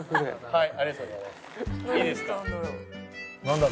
はい。